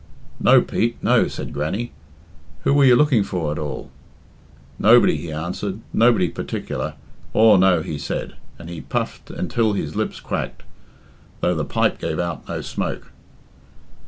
"No, Pete, no," said Grannie. "Who were you looking for, at all?" "Nobody," he answered. "Nobody partic'lar. Aw, no," he said, and he puffed until his lips quacked, though the pipe gave out no smoke.